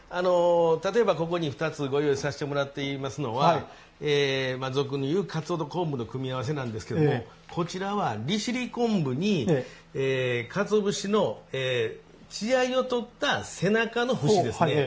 例えば、ここに２つご用意させてもらっていますのは俗にいうかつおと昆布の組み合わせなんですけれどもこちらは利尻昆布にかつお節の血合いを取った背中の節ですね。